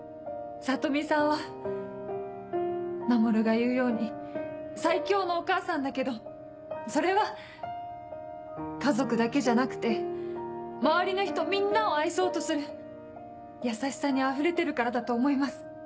里美さんは守が言うように最強のお母さんだけどそれは家族だけじゃなくて周りの人みんなを愛そうとする優しさにあふれてるからだと思います。